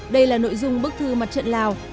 đây là nội dung bức thư mặt trận lào